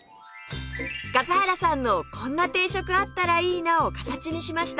笠原さんの「こんな定食あったらいいな」を形にしました